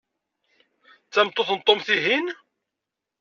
D tameṭṭut n Tom, tihin?